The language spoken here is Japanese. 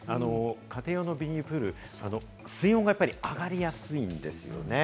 家庭用のビニールプール、水温が上がりやすいんですよね。